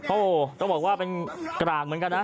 โอ้โหต้องบอกว่าเป็นกลางเหมือนกันนะ